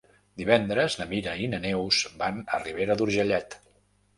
Divendres na Mira i na Neus van a Ribera d'Urgellet.